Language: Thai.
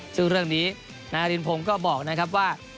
ซึ่งเรื่องนี้นารินพงศ์ก็บอกนะครับว่า